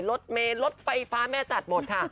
รถเมลรถไฟฟ้าแม่จัดหมดค่ะ